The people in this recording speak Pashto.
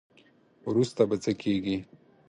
وروسته به څه کیږي.